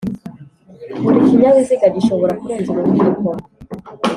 Buri kinyabiziga gishobora kurenza umuvuduko